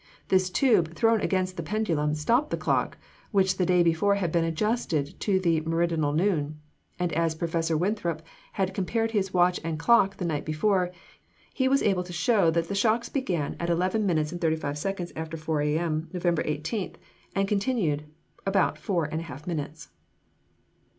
This tube, thrown against the pendulum, stopped the clock, which the day before had been adjusted to meridianal noon; and as Prof. Winthrop had compared his watch and clock the night before, he was able to show that the shocks began at eleven minutes and thirty five seconds after four A.M., November 18, and continued about four and a half minutes.